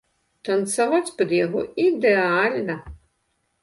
Танцаваць пад яго ідэальна.